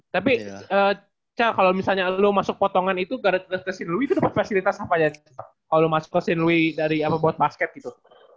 tapi cal kalau misalnya lo masuk potongan itu ke st louis itu ada fasilitas apa aja cen kalau lo masuk ke st louis buat basket gitu